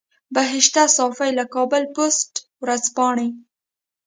بهشته صافۍ له کابل پوسټ ورځپاڼې.